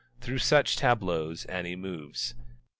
Through such tableaus Ani moves.